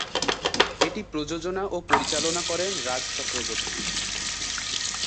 এটি প্রযোজনা ও পরিচালনা করেন রাজ চক্রবর্তী।